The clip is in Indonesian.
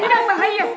itu dalam bahaya bos